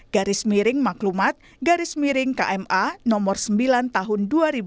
garis miring maklumat garis miring kma nomor sembilan tahun dua ribu dua